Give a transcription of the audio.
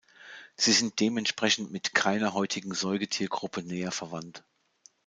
Sie sind dementsprechend mit keiner heutigen Säugetiergruppe näher verwandt.